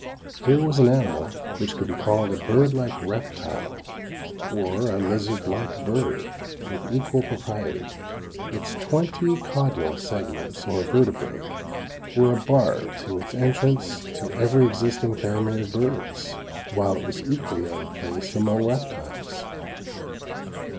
Here was an animal which could be called a birdlike reptile or a lizardlike bird, with equal propriety. Its twenty caudal segments or vertebræ were a bar to its entrance to every existing family of birds, while it was equally out of place among reptiles.